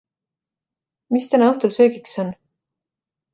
Mis täna õhtul söögiks on?